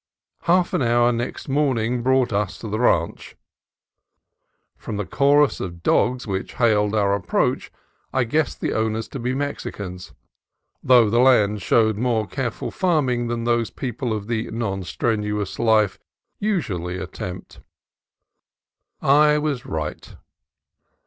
Half an hour next morning brought us to the ranch. From the chorus of dogs which hailed our approach I guessed the owners to be Mexicans, though the land showed more careful farming than those people of the non strenuous life usually at tempt. I was right.